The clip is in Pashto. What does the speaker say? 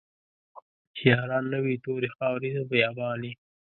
چې ياران نه وي توري خاوري د بيا بان يې